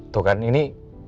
tuh kan ini